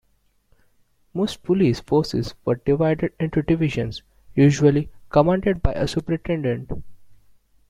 Most police forces were divided into divisions, usually commanded by a Superintendent.